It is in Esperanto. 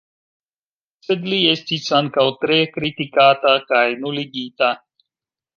Sed li estis ankaŭ tre kritikata kaj nuligita.